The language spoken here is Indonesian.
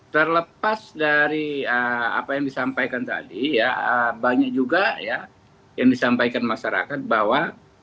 terlepas dari apa yang disampaikan tadi ya banyak juga ya yang disampaikan masyarakat bahwa